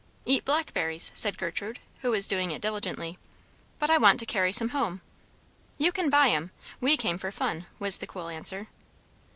"Eat blackberries," said Gertrude, who was doing it diligently. "But I want to carry some home." "You can buy 'em. We came for fun," was the cool answer.